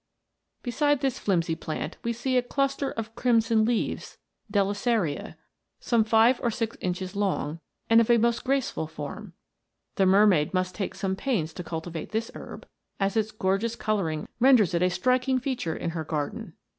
Beside this flimsy plant we see a cluster of crimson leaves, some five or six inches long, and of a most graceful form.t The mermaid must take some pains to cultivate this herb, as its gorgeous colouring renders it a striking feature in her garden.